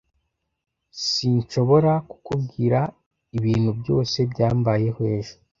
S Sinshobora kukubwira ibintu byose byambayeho ejo.